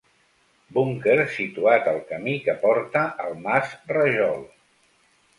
Búnquer situat al camí que porta al mas Rajol.